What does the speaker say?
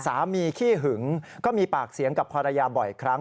ขี้หึงก็มีปากเสียงกับภรรยาบ่อยครั้ง